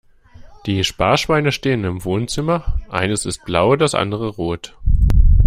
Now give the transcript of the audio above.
Die Sparschweine stehen im Wohnzimmer, eines ist blau das andere rot.